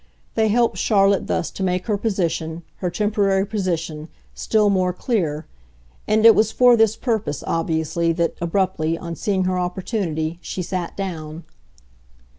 They helped Charlotte thus to make her position her temporary position still more clear, and it was for this purpose, obviously, that, abruptly, on seeing her opportunity, she sat down.